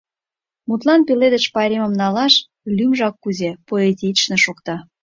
Мутлан, Пеледыш пайремым налаш — лӱмжак кузе поэтично шокта.